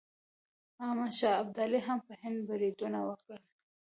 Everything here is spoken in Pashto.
احمد شاه ابدالي هم په هند بریدونه وکړل.